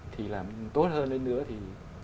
thì làm tốt hơn lên nữa thì